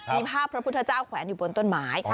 มีภาพพระพุทธเจ้าแขวนอยู่บนต้นไม้